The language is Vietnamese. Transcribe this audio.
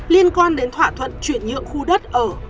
liên quan đến thỏa thuận chuyển nhượng khu đất ở